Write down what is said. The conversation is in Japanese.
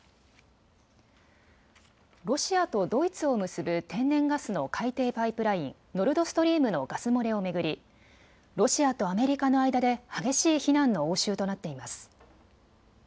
ロシアとドイツを結ぶ天然ガスの海底パイプライン、ノルドストリームのガス漏れを巡り、ロシアとアメリカの間で激しい非難の応酬となっています。